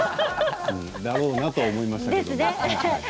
だろうなと思いました。